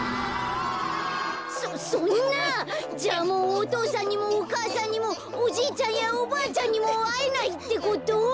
そそんなじゃあもうお父さんにもお母さんにもおじいちゃんやおばあちゃんにもあえないってこと？